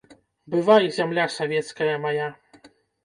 Бывай, зямля савецкая мая!